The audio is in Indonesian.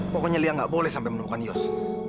pokoknya lia gak boleh sampai menemukan mios